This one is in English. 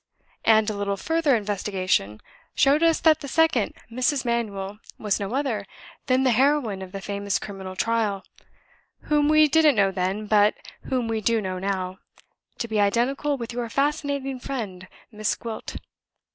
And a little further investigation showed us that the second Mrs. Manuel was no other than the heroine of the famous criminal trial whom we didn't know then, but whom we do know now, to be identical with your fascinating friend, Miss Gwilt."